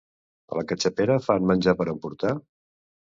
A La Cachapera fan menjar per emportar?